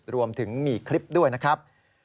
รวมถึงมีคลิปด้วยนะครับ